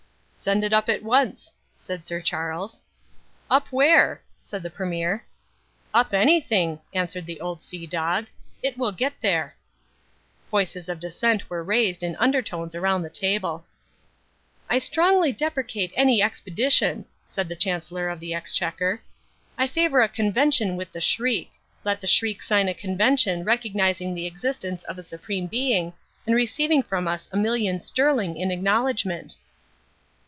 "Send it up at once," said Sir Charles. "Up where?" asked the Premier. "Up anything," answered the Old Sea Dog, "it will get there." Voices of dissent were raised in undertones around the table. "I strongly deprecate any expedition," said the Chancellor of the Exchequer, "I favour a convention with the Shriek. Let the Shriek sign a convention recognizing the existence of a supreme being and receiving from us a million sterling in acknowledgment."